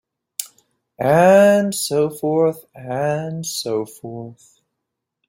And so forth and so forth.